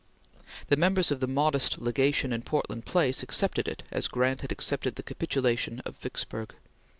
The members of the modest Legation in Portland Place accepted it as Grant had accepted the capitulation of Vicksburg.